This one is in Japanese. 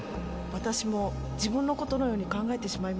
「私も自分のことのように考えてしまいました」